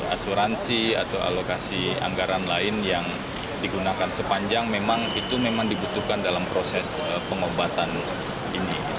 asuransi atau alokasi anggaran lain yang digunakan sepanjang memang itu memang dibutuhkan dalam proses pengobatan ini